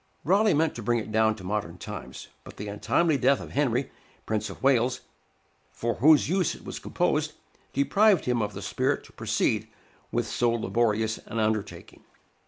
Raleigh meant to bring it down to modern times; but the untimely death of Henry, Prince of Wales, for whose use it was composed, deprived him of the spirit to proceed with so laborious an undertaking.